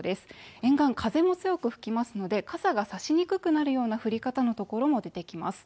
沿岸、風も強く吹きますので、傘が差しにくくなくような降り方の所も出てきます。